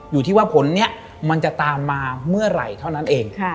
อยู่ที่ว่าผลนี้มันจะตามมาเมื่อไหร่เท่านั้นเอง